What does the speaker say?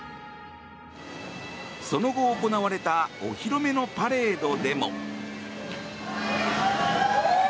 その後、行われたお披露目のパレードでも。